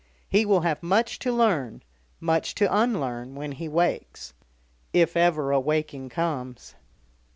He will have much to learn, much to unlearn, when he wakes. If ever a waking comes."